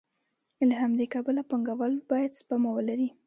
له همدې کبله پانګوال باید سپما ولري